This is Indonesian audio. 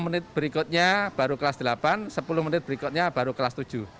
sepuluh menit berikutnya baru kelas delapan sepuluh menit berikutnya baru kelas tujuh